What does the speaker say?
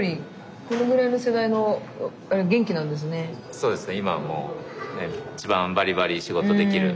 そうですね。